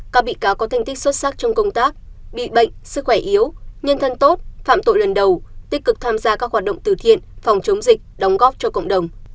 các bị cáo có thành tích xuất sắc trong công tác bị bệnh sức khỏe yếu nhân thân tốt phạm tội lần đầu tích cực tham gia các hoạt động từ thiện phòng chống dịch đóng góp cho cộng đồng